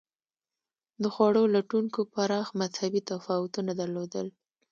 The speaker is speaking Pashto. د خوړو لټونکو پراخ مذهبي تفاوتونه درلودل.